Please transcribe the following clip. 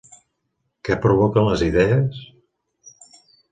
Què provoquen les idees?